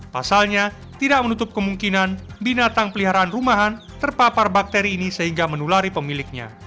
pasalnya tidak menutup kemungkinan binatang peliharaan rumahan terpapar bakteri ini sehingga menulari pemiliknya